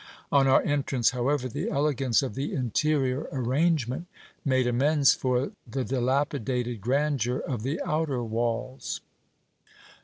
On our entrance, however, the elegance of the interior arrangement made amends for the dilapi dated grandeur of the outer walls.